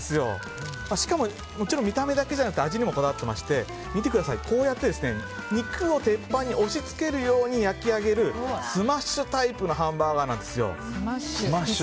しかももちろん見た目だけじゃなくて味にもこだわっていまして肉を鉄板に押し付けるように焼き上げるスマッシュタイプのハンバーガーなんですよ。